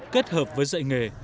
kết hợp với dạy nghề